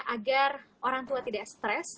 agar orang tua tidak stres